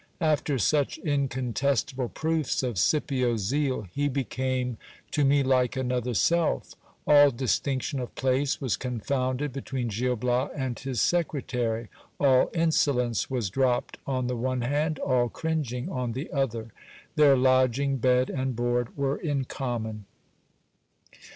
After such incontestable proofs of Scipio's zeal, he became to me like another self All distinction of place was confounded between Gil Bias a id his secretary ; all insolence was dropped on the one hand, all cringing on the other. Their lodging, bed, and board were in common.